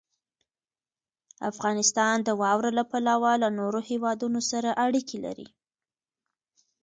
افغانستان د واوره له پلوه له نورو هېوادونو سره اړیکې لري.